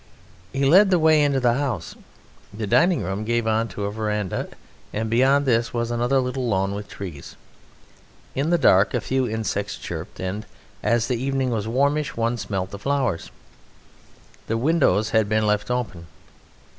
He led the way into the house. The dining room gave on to a veranda, and beyond this was another little lawn with trees. In the dark a few insects chirped, and, as the evening was warmish, one smelt the flowers. The windows had been left open.